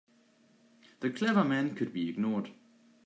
The clever men could be ignored.